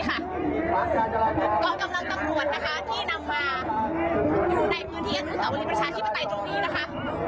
กองกำลังตำรวจนะคะที่นำมาอยู่ในพื้นที่อนุสาวรีประชาธิปไตยตรงนี้นะคะ